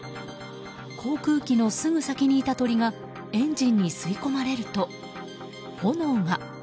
航空機のすぐ先にいた鳥がエンジンに吸い込まれると炎が。